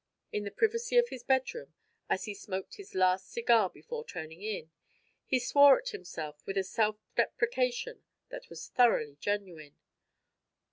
In the privacy of his bedroom, as he smoked his last cigar before turning in, he swore at himself with a self deprecation that was thoroughly genuine.